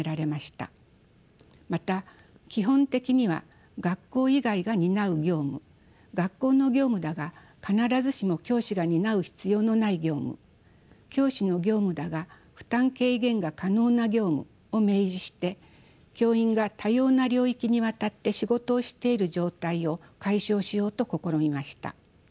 また「基本的には学校以外が担う業務」「学校の業務だが必ずしも教師が担う必要のない業務」「教師の業務だが負担軽減が可能な業務」を明示して教員が多様な領域にわたって仕事をしている状態を解消しようと試みました。